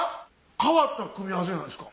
変わった組み合わせなんですか？